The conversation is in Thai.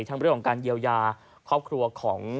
ทั้งเรื่องของการเยียวยาครอบครัวของ